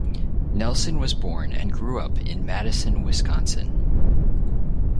Nelson was born and grew up in Madison, Wisconsin.